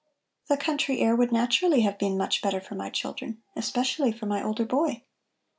"The country air would naturally have been much better for my children, especially for my older boy.